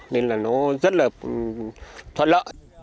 nên là nó rất là thoát lỡ